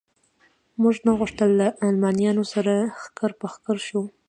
موږ نه غوښتل له المانیانو سره ښکر په ښکر شو.